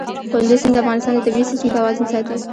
کندز سیند د افغانستان د طبعي سیسټم توازن ساتي.